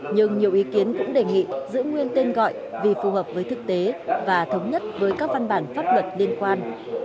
nhưng nhiều ý kiến cũng đề nghị giữ nguyên tên gọi vì phù hợp với thực tế và thống nhất với các văn bản pháp luật liên quan